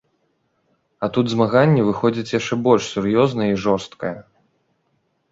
А тут змаганне выходзіць яшчэ больш сур'ёзнае і жорсткае.